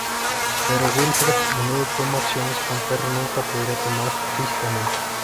Pero Wilfred menudo toma acciones que un perro nunca podría tomar físicamente.